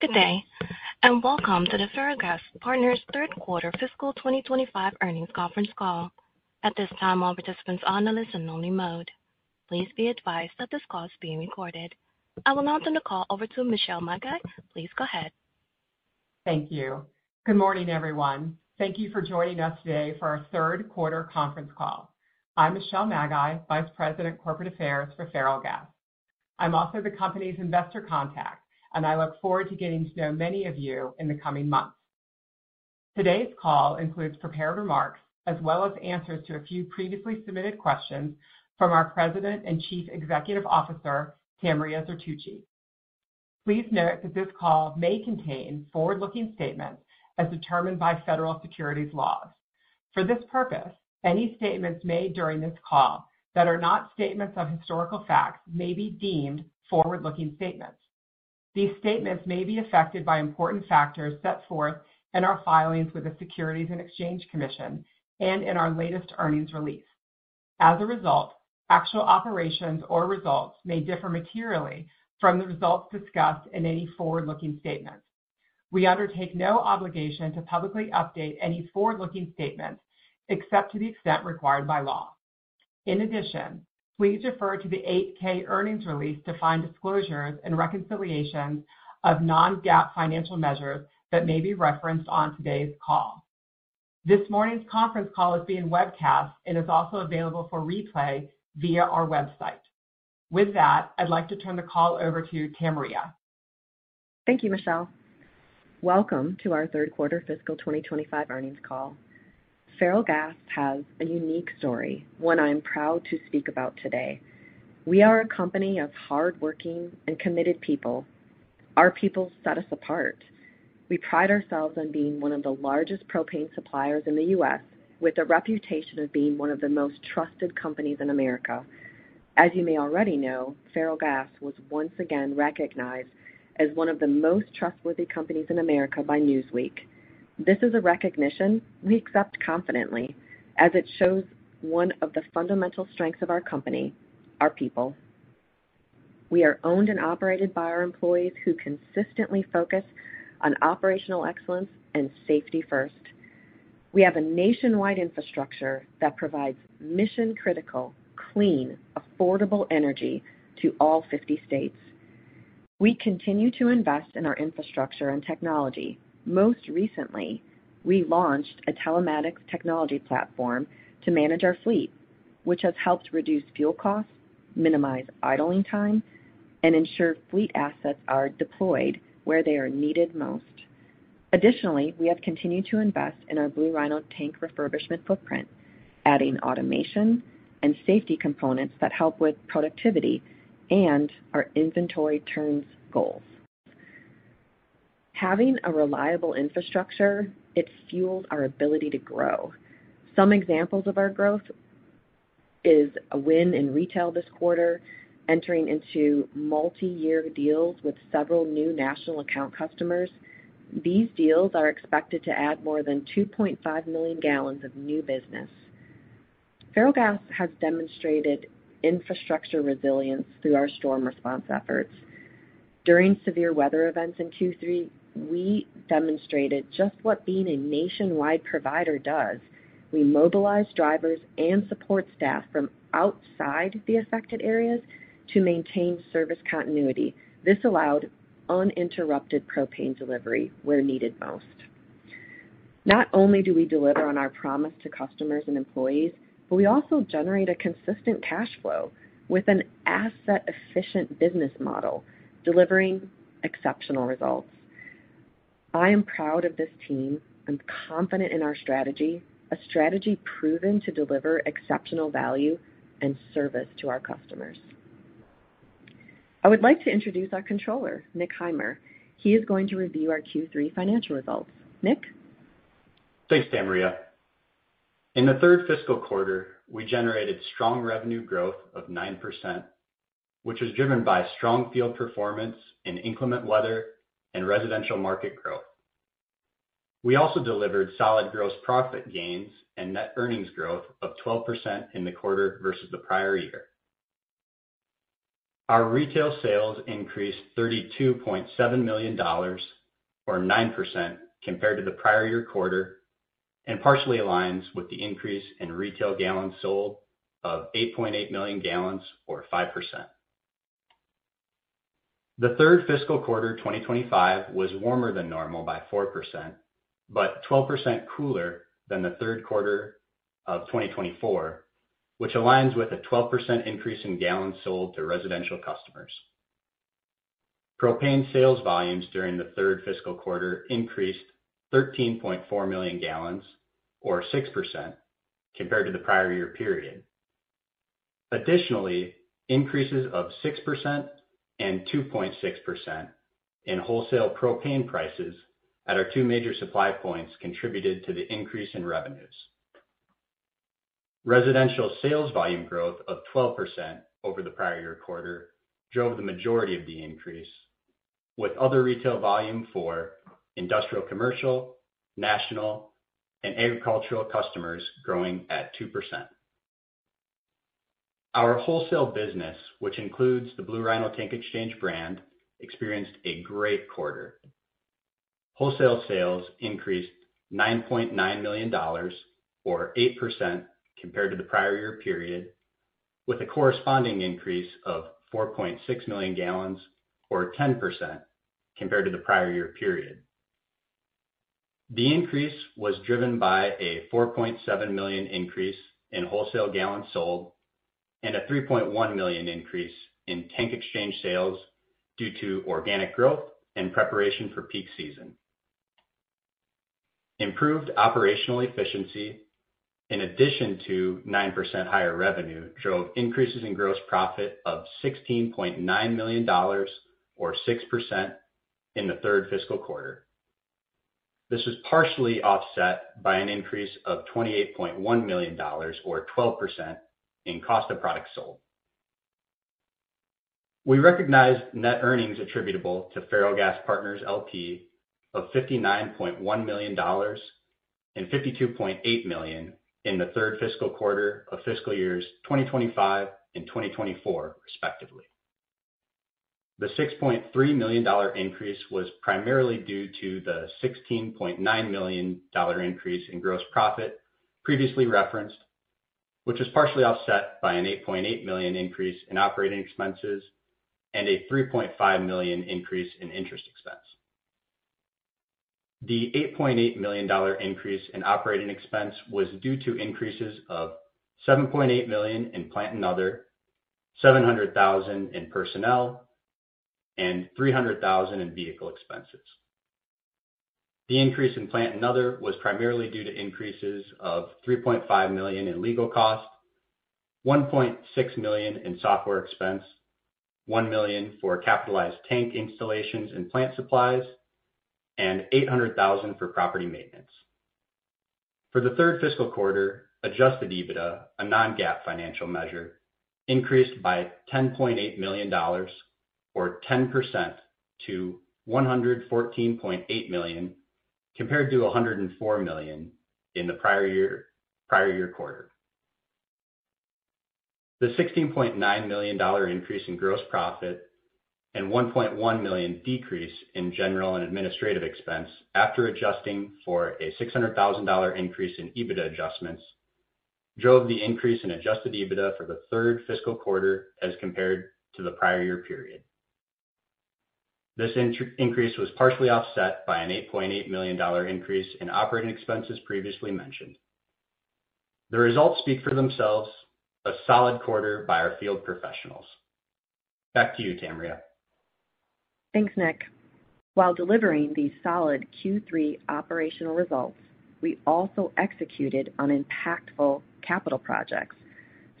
Good day, and welcome to the Ferrellgas Partners third quarter fiscal 2025 earnings conference call. At this time, all participants are on a listen-only mode. Please be advised that this call is being recorded. I will now turn the call over to Michelle Maggi. Please go ahead. Thank you. Good morning, everyone. Thank you for joining us today for our third quarter conference call. I'm Michelle Maggi, Vice President, Corporate Affairs for Ferrellgas. I'm also the company's investor contact, and I look forward to getting to know many of you in the coming months. Today's call includes prepared remarks as well as answers to a few previously submitted questions from our President and Chief Executive Officer, Tamria Zertuche. Please note that this call may contain forward-looking statements as determined by federal securities laws. For this purpose, any statements made during this call that are not statements of historical facts may be deemed forward-looking statements. These statements may be affected by important factors set forth in our filings with the Securities and Exchange Commission and in our latest earnings release. As a result, actual operations or results may differ materially from the results discussed in any forward-looking statements. We undertake no obligation to publicly update any forward-looking statements except to the extent required by law. In addition, please refer to the 8-K earnings release to find disclosures and reconciliations of non-GAAP financial measures that may be referenced on today's call. This morning's conference call is being webcast and is also available for replay via our website. With that, I'd like to turn the call over to Tamria. Thank you, Michelle. Welcome to our third quarter fiscal 2025 earnings call. Ferrellgas has a unique story, one I'm proud to speak about today. We are a company of hardworking and committed people. Our people set us apart. We pride ourselves on being one of the largest propane suppliers in the U.S., with a reputation of being one of the most trusted companies in America. As you may already know, Ferrellgas was once again recognized as one of the most trustworthy companies in America by Newsweek. This is a recognition we accept confidently, as it shows one of the fundamental strengths of our company: our people. We are owned and operated by our employees who consistently focus on operational excellence and safety first. We have a nationwide infrastructure that provides mission-critical, clean, affordable energy to all 50 states. We continue to invest in our infrastructure and technology. Most recently, we launched a telematics technology platform to manage our fleet, which has helped reduce fuel costs, minimize idling time, and ensure fleet assets are deployed where they are needed most. Additionally, we have continued to invest in our Blue Rhino tank refurbishment footprint, adding automation and safety components that help with productivity and our inventory turns goals. Having a reliable infrastructure, it has fueled our ability to grow. Some examples of our growth are a win in retail this quarter, entering into multi-year deals with several new national account customers. These deals are expected to add more than 2.5 million gallons of new business. Ferrellgas has demonstrated infrastructure resilience through our storm response efforts. During severe weather events in Q3, we demonstrated just what being a nationwide provider does. We mobilized drivers and support staff from outside the affected areas to maintain service continuity. This allowed uninterrupted propane delivery where needed most. Not only do we deliver on our promise to customers and employees, but we also generate a consistent cash flow with an asset-efficient business model, delivering exceptional results. I am proud of this team. I'm confident in our strategy, a strategy proven to deliver exceptional value and service to our customers. I would like to introduce our controller, Nick W. Heimer. He is going to review our Q3 financial results. Nick. Thanks, Tamria. In the third fiscal quarter, we generated strong revenue growth of 9%, which was driven by strong field performance in inclement weather and residential market growth. We also delivered solid gross profit gains and net earnings growth of 12% in the quarter versus the prior year. Our retail sales increased $32.7 million, or 9%, compared to the prior year quarter, and partially aligns with the increase in retail gallons sold of 8.8 million gallons, or 5%. The third fiscal quarter 2025 was warmer than normal by 4%, but 12% cooler than the third quarter of 2024, which aligns with a 12% increase in gallons sold to residential customers. Propane sales volumes during the third fiscal quarter increased 13.4 million gallons, or 6%, compared to the prior year period. Additionally, increases of 6% and 2.6% in wholesale propane prices at our two major supply points contributed to the increase in revenues. Residential sales volume growth of 12% over the prior year quarter drove the majority of the increase, with other retail volume for industrial, commercial, national, and agricultural customers growing at 2%. Our wholesale business, which includes the Blue Rhino propane exchange brand, experienced a great quarter. Wholesale sales increased $9.9 million, or 8%, compared to the prior year period, with a corresponding increase of 4.6 million gallons, or 10%, compared to the prior year period. The increase was driven by a 4.7 million increase in wholesale gallons sold and a 3.1 million increase in tank exchange sales due to organic growth and preparation for peak season. Improved operational efficiency, in addition to 9% higher revenue, drove increases in gross profit of $16.9 million, or 6%, in the third fiscal quarter. This was partially offset by an increase of $28.1 million, or 12%, in cost of products sold. We recognize net earnings attributable to Ferrellgas Partners L.P. of $59.1 million and $52.8 million in the third fiscal quarter of fiscal years 2025 and 2024, respectively. The $6.3 million increase was primarily due to the $16.9 million increase in gross profit previously referenced, which was partially offset by an $8.8 million increase in operating expenses and a $3.5 million increase in interest expense. The $8.8 million increase in operating expense was due to increases of $7.8 million in plant and other, $700,000 in personnel, and $300,000 in vehicle expenses. The increase in plant and other was primarily due to increases of $3.5 million in legal cost, $1.6 million in software expense, $1 million for capitalized tank installations and plant supplies, and $800,000 for property maintenance. For the third fiscal quarter, adjusted EBITDA, a non-GAAP financial measure, increased by $10.8 million, or 10%, to $114.8 million, compared to $104 million in the prior year quarter. The $16.9 million increase in gross profit and $1.1 million decrease in general and administrative expense after adjusting for a $600,000 increase in EBITDA adjustments drove the increase in adjusted EBITDA for the third fiscal quarter as compared to the prior year period. This increase was partially offset by an $8.8 million increase in operating expenses previously mentioned. The results speak for themselves: a solid quarter by our field professionals. Back to you, Tamria. Thanks, Nick. While delivering these solid Q3 operational results, we also executed on impactful capital projects,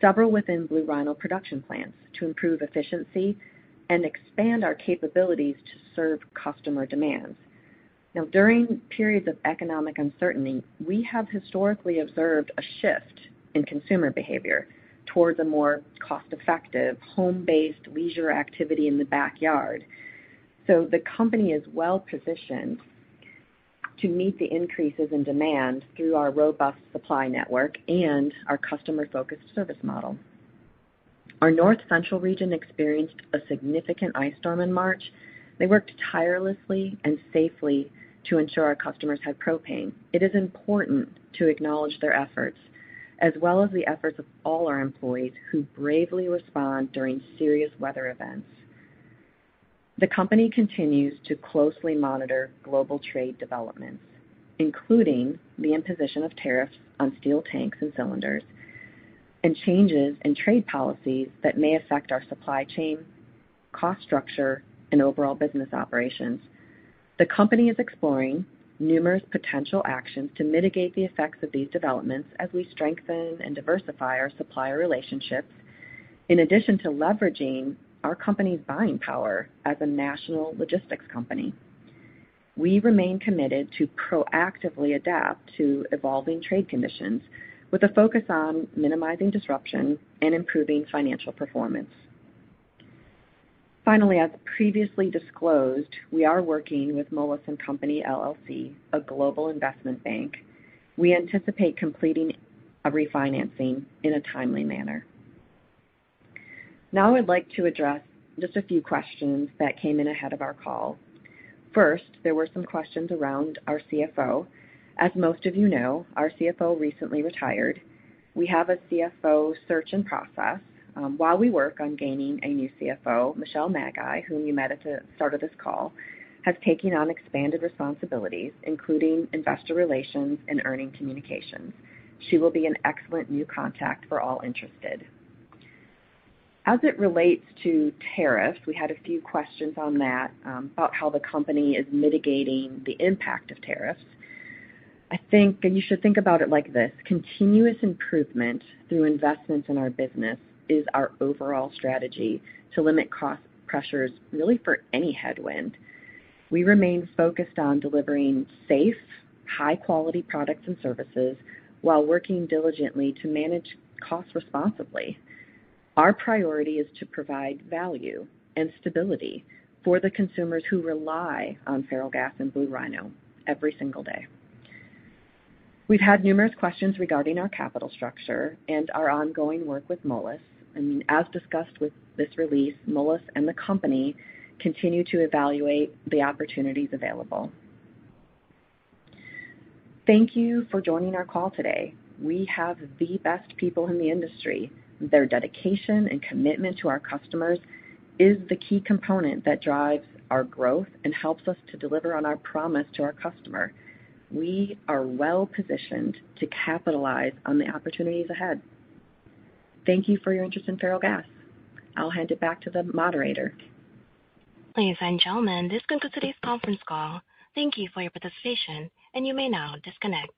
several within Blue Rhino production plants, to improve efficiency and expand our capabilities to serve customer demands. Now, during periods of economic uncertainty, we have historically observed a shift in consumer behavior towards a more cost-effective, home-based leisure activity in the backyard. The company is well positioned to meet the increases in demand through our robust supply network and our customer-focused service model. Our North Central region experienced a significant ice storm in March. They worked tirelessly and safely to ensure our customers had propane. It is important to acknowledge their efforts, as well as the efforts of all our employees who bravely respond during serious weather events. The company continues to closely monitor global trade developments, including the imposition of tariffs on steel tanks and cylinders and changes in trade policies that may affect our supply chain, cost structure, and overall business operations. The company is exploring numerous potential actions to mitigate the effects of these developments as we strengthen and diversify our supplier relationships, in addition to leveraging our company's buying power as a national logistics company. We remain committed to proactively adapt to evolving trade conditions, with a focus on minimizing disruption and improving financial performance. Finally, as previously disclosed, we are working with Moelis & Company, a global investment bank. We anticipate completing a refinancing in a timely manner. Now, I'd like to address just a few questions that came in ahead of our call. First, there were some questions around our CFO. As most of you know, our CFO recently retired. We have a CFO search in process. While we work on gaining a new CFO, Michelle Maggi, whom you met at the start of this call, has taken on expanded responsibilities, including investor relations and earnings communications. She will be an excellent new contact for all interested. As it relates to tariffs, we had a few questions on that about how the company is mitigating the impact of tariffs. I think you should think about it like this: continuous improvement through investments in our business is our overall strategy to limit cost pressures, really for any headwind. We remain focused on delivering safe, high-quality products and services while working diligently to manage costs responsibly. Our priority is to provide value and stability for the consumers who rely on Ferrellgas and Blue Rhino every single day. We've had numerous questions regarding our capital structure and our ongoing work with Moelis. As discussed with this release, Moelis & Company continue to evaluate the opportunities available. Thank you for joining our call today. We have the best people in the industry. Their dedication and commitment to our customers is the key component that drives our growth and helps us to deliver on our promise to our customers. We are well positioned to capitalize on the opportunities ahead. Thank you for your interest in Ferrellgas. I'll hand it back to the moderator. Ladies and gentlemen, this concludes today's conference call. Thank you for your participation, and you may now disconnect.